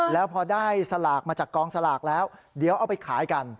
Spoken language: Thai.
แล้วพอได้สลากมาจากกองสลากแล้วเดี๋ยวเอาไปขายกัน